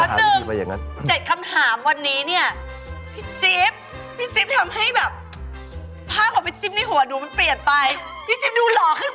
ไม่เอาไม่อยากทำที่นี้แล้ว